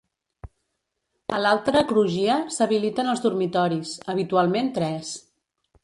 A l'altra crugia, s'habiliten els dormitoris, habitualment tres.